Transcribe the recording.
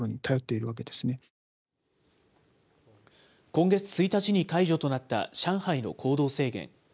今月１日に解除となった上海の行動制限。